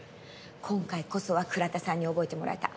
今回こそは倉田さんに覚えてもらえた。